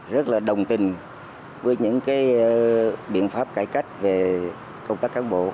rất là đồng tình với những biện pháp cải cách về công tác cán bộ